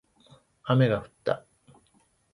雨が降った